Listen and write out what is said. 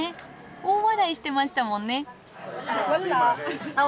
大笑いしてましたもんね。